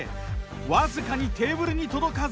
僅かにテーブルに届かず。